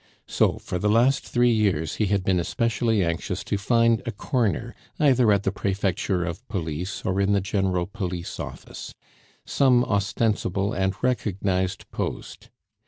So for the last three years he had been especially anxious to find a corner, either at the Prefecture of Police, or in the general Police Office some ostensible and recognized post.